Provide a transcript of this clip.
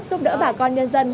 giúp đỡ bà con nhân dân